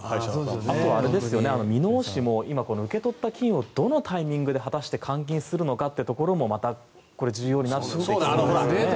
あとは箕面市も受け取った金をどのタイミングで果たして換金するのかというところも重要になってきそうですね。